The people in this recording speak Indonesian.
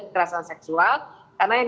kekerasan seksual karena yang